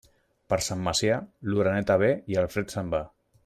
Per Sant Macià, l'oreneta ve i el fred se'n va.